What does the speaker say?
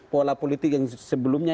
pola politik yang sebelumnya